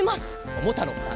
ももたろうさん